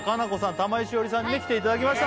玉井詩織さんに来ていただきました